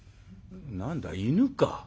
「何だ犬か」。